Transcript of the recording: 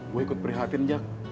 gue ikut perhatian jack